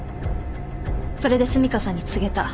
それで澄香さんに告げた。